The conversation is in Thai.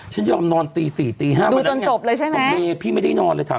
ฉันยอมนอนตี๔๕วันดูตอนจบเลยใช่ไหมโอเคพี่ไม่ได้นอนเลยค่ะ